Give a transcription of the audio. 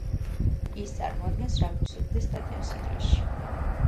ის წარმოადგენს რაგბის უდიდეს სტადიონს ინგლისში.